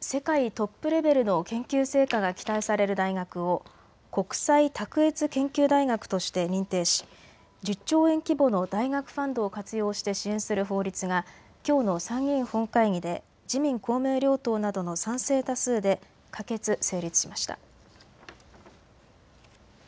世界トップレベルの研究成果が期待される大学を国際卓越研究大学として認定し１０兆円規模の大学ファンドを活用して支援する法律がきょうの参議院本会議で自民公明両党などの賛成多数で可決・成立しました。